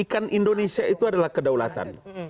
ikan indonesia itu adalah kedaulatan